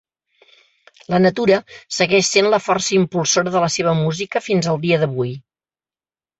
La natura segueix sent la força impulsora de la seva música fins al dia d'avui.